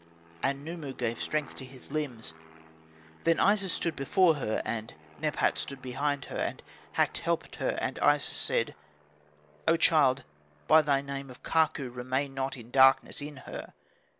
And Khnumu gave strength to his limbs. Then Isis stood before her, and Nebhat stood behind her, and Hakt helped her. And Isis said, "O child, by thy name of Kaku, remain not in darkness in her."